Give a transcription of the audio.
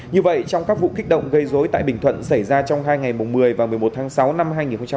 như vậy trong các vụ kích động gây dối tại bình thuận xảy ra trong hai ngày một mươi và một mươi một tháng sáu năm hai nghìn hai mươi